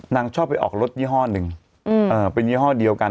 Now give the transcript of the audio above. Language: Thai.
ชอบไปออกรถยี่ห้อหนึ่งเป็นยี่ห้อเดียวกัน